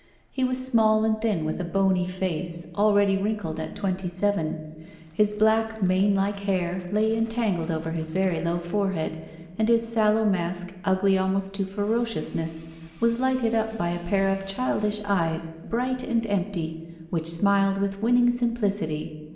He was small and thin, with a bony face, already wrinkled at twenty seven. His black mane like hair lay entangled over his very low forehead, and his sallow mask, ugly almost to ferociousness, was lighted up by a pair of childish eyes, bright and empty, which smiled with winning simplicity.